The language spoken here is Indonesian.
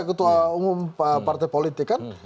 ketua umum partai politik kan